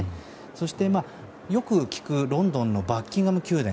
そして、よく聞くロンドンのバッキンガム宮殿。